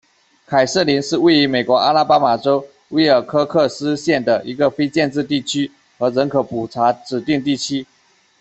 凯瑟琳是位于美国阿拉巴马州威尔科克斯县的一个非建制地区和人口普查指定地区。